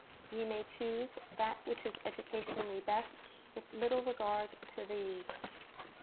We may choose that which is educationally best with little regard to these.